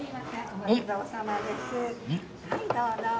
はいどうぞ。